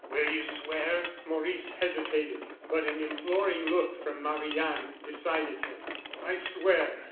Will you swear?" Maurice hesitated, but an imploring look from Marie Anne decided him. "I swear!"